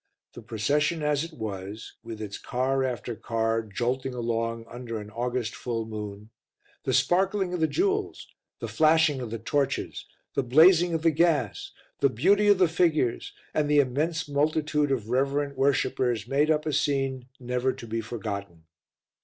The procession as it was, with its car after car jolting along under an August full moon, the sparkling of the jewels, the flashing of the torches, the blazing of the gas, the beauty of the figures and the immense multitude of reverent worshippers made up a scene never to be forgotten.